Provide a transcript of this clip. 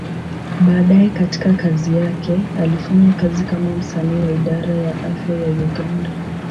Baadaye katika kazi yake, alifanya kazi kama msanii wa Idara ya Afya ya Uganda.